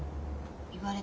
言われた。